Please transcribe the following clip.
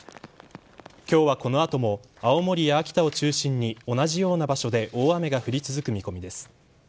今日はこの後も青森、秋田を中心に同じような場所で大雨が降り続く見込みです。